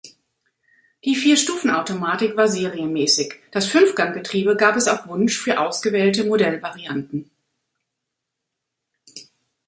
Die Vierstufenautomatik war serienmäßig, das Fünfganggetriebe gab es auf Wunsch für ausgewählte Modellvarianten.